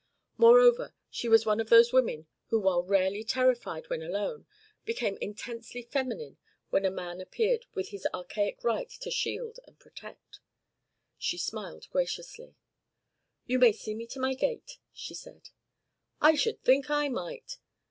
Moreover, she was one of those women who while rarely terrified when alone became intensely feminine when a man appeared with his archaic right to shield and protect. She smiled graciously. "You may see me to my gate," she said. "I should think I might!